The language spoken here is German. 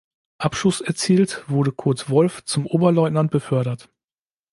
Abschuss erzielt, wurde Kurt Wolff zum Oberleutnant befördert.